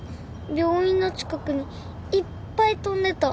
病院の近くにいっぱい飛んでた。